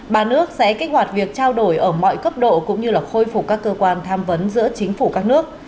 ba nước sẽ kích hoạt việc trao đổi ở mọi cấp độ cũng như khôi phục các cơ quan tham vấn giữa chính phủ các nước